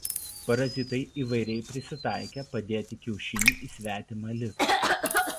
Parazitai įvairiai prisitaikę padėti kiaušinį į svetimą lizdą.